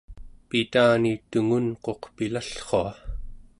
pitani tungunquq pilallrua